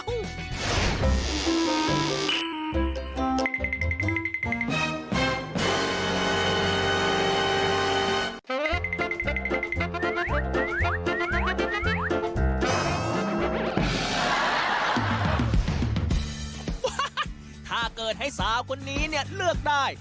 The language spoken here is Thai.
โอ้โฮถ้าเกิดให้สาวคนนี้เลือกได้